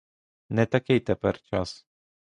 Не такий тепер час.